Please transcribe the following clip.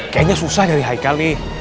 kayaknya susah dari haikal nih